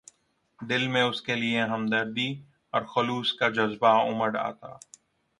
دل میں اس کے لیے ہمدردی اور خلوص کا جذبہ اُمڈ آتا